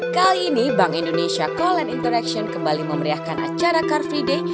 kali ini bank indonesia collen interaction kembali memeriahkan acara car free day